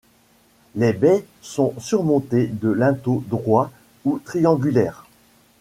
Les baies sont surmontées de linteaux droits ou triangulaires.